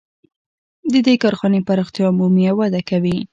د دې کارخانې پراختیا مومي او وده کوي